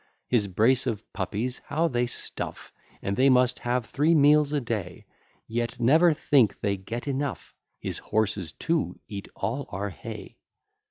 His brace of puppies how they stuff! And they must have three meals a day, Yet never think they get enough; His horses too eat all our hay.